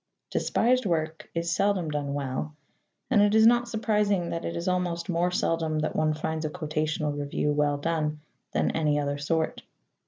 Despised work is seldom done well, and it is not surprising that it is almost more seldom that one finds a quotational review well done than any other sort.